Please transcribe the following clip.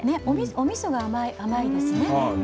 おみそが、甘いですね。